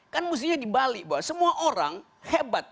kan mestinya dibalik bahwa semua orang hebat